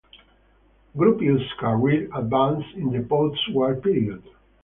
Gropius's career advanced in the postwar period.